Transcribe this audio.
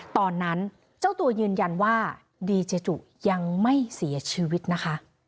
ตอนนั้นเจ้าตัวยืนยันว่าดีเจจุยังไม่เสียชีวิตนะคะ